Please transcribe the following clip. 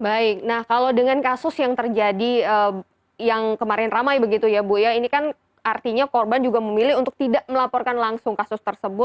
baik nah kalau dengan kasus yang terjadi yang kemarin ramai begitu ya bu ya ini kan artinya korban juga memilih untuk tidak melaporkan langsung kasus tersebut